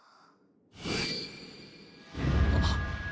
あっ。